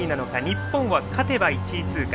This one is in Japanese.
日本は勝てば１位通過。